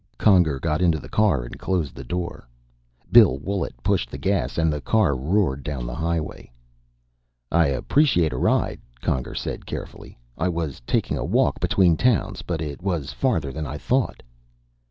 Conger got into the car and closed the door. Bill Willet pushed the gas and the car roared down the highway. "I appreciate a ride," Conger said carefully. "I was taking a walk between towns, but it was farther than I thought."